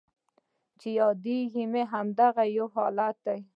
چې یادیږي مې همدغه یو حالت دی